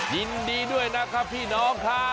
ยินดีด้วยนะครับพี่น้องค่ะ